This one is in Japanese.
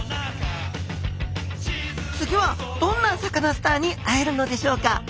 次はどんなサカナスターに会えるのでしょうか？